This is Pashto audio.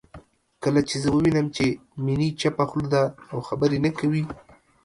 کله چې زه ووينم چې میني چپه خوله ده او خبرې نه کوي